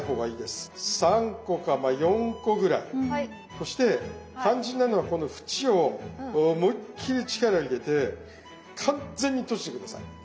そして肝心なのはこの縁を思いっ切り力入れて完全に閉じて下さい。